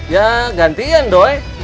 ya gantian doi